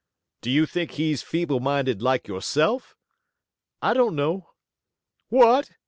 "Do you think he's feeble minded like yourself?" "I don't know." "What!